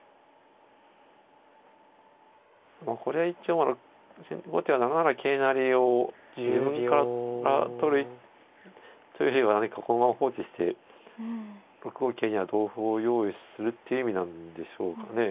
これは一応まあ後手は７七桂成を自分から取るというよりはこのまま放置して６五桂には同歩を用意するっていう意味なんでしょうかね。